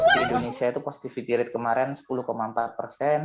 di indonesia itu positivity rate kemarin sepuluh empat persen